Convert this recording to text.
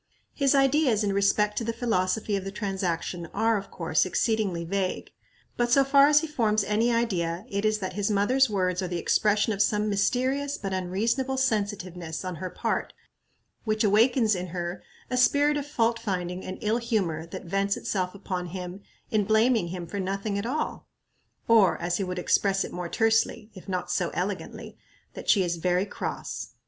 His ideas in respect to the philosophy of the transaction are, of course, exceedingly vague; but so far as he forms any idea, it is that his mother's words are the expression of some mysterious but unreasonable sensitiveness on her part, which awakens in her a spirit of fault finding and ill humor that vents itself upon him in blaming him for nothing at all; or, as he would express it more tersely, if not so elegantly, that she is "very cross."